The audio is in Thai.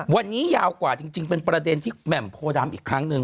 วันนี้ยาวกว่าจริงเป็นประเด็นที่แหม่มโพดำอีกครั้งหนึ่ง